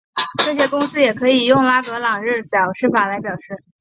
这些公式也可以用拉格朗日表示法来表示。